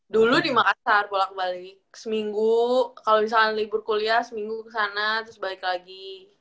dulu di makassar bolak balik seminggu kalau misalnya libur kuliah seminggu ke sana terus balik lagi